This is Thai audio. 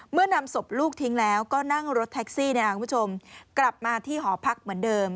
นำศพลูกทิ้งแล้วก็นั่งรถแท็กซี่คุณผู้ชมกลับมาที่หอพักเหมือนเดิม